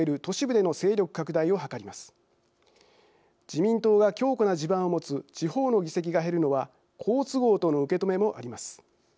自民党が強固な地盤を持つ地方の議席が減るのは好都合との受け止めもあります。